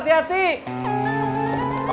hati hati ada motor